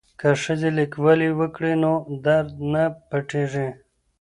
که ښځې لیکوالي وکړي نو درد نه پټیږي.